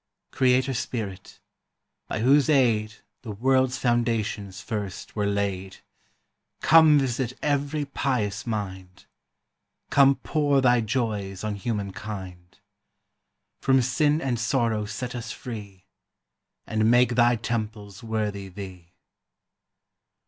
] Creator Spirit, by whose aid The world's foundations first were laid, Come visit every pious mind. Come pour thy joys on human kind; From sin and sorrow set us free, And make thy temples worthy thee.